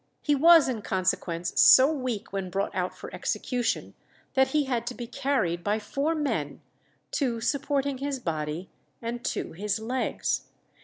He was in consequence so weak when brought out for execution, that he had to be carried by four men, two supporting his body and two his legs.